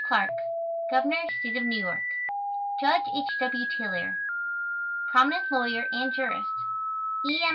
CLARK Governor, State of New York JUDGE H. W. TAYLOR Prominent lawyer and jurist E. M.